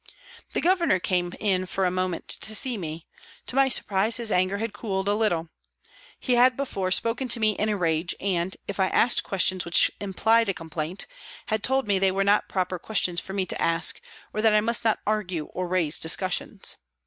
The Governor came in for a moment to see me. To my surprise his anger had cooled a little. He had before spoken to me in a rage and, if I asked ques tions which implied a complaint, had told me they were not proper questions for me to ask, or that I must not argue or raise discussions.